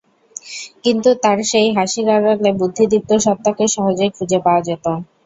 কিন্তু তার সেই হাসির আড়ালে বুদ্ধিদীপ্ত সত্বাকে সহজেই খুঁজে পাওয়া যেত।